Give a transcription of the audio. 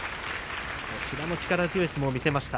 こちらも力強い相撲を見せました。